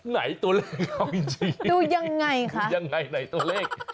ไหนตัวเลขเอาจริงดูยังไงคะยังไงไหนตัวเลข